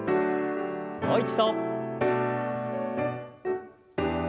もう一度。